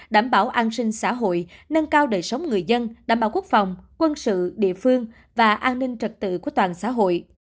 đảm bảo an sinh xã hội nâng cao đời sống người dân đảm bảo quốc phòng quân sự địa phương và an ninh trật tự của toàn xã hội